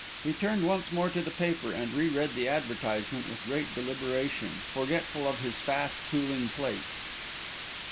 He turned once more to the paper and re read the advertisement with great deliberation, forgetful of his fast cooling plate.